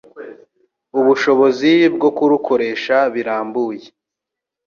ubushobozi bwo kurukoresha birambuye